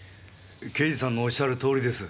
刑事さんのおっしゃるとおりです。